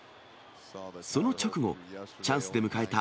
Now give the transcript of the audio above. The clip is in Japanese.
その直後、チャンスで迎えた